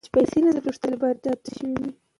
افغانستان په وګړي غني دی.